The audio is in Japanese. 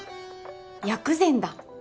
薬膳だ。